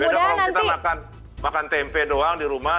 beda kalau kita makan tempe doang di rumah